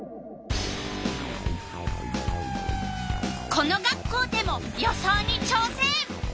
この学校でも予想にちょうせん！